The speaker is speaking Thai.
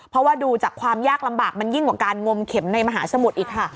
เพราะว่าดูจากความยากลำบากมันยิ่งกว่าการงมเข็มในมหาสมุทรอีกค่ะ